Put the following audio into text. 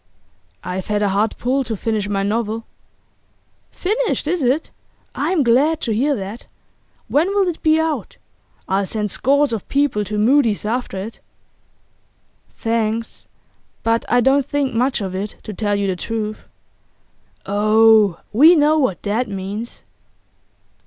'I've had a hard pull to finish my novel.' 'Finished, is it? I'm glad to hear that. When'll it be out? I'll send scores of people to Mudie's after it. 'Thanks; but I don't think much of it, to tell you the truth.' 'Oh, we know what that means.